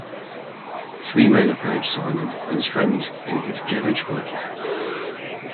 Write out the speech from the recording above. Three men approached Simon and his friend in his garage working out.